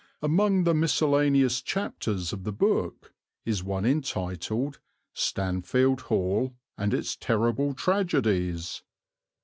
Among the miscellaneous chapters of the book is one entitled "Stanfield Hall and its Terrible Tragedies."